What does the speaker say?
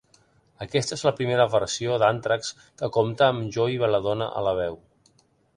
Aquesta és la primera versió d'Antrax que compta amb Joey Belladonna a la veu.